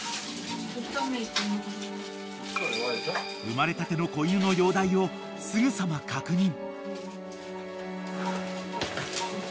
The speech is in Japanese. ［産まれたての子犬の容体をすぐさま確認］